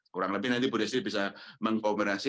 kurang lebih nanti bu riasi bisa mengkonfirmasi